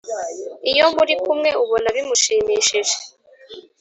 iyo muri kumwe ubona bimushimishije .